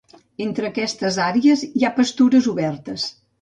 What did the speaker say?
Entre aquestes àrees hi ha pastures obertes.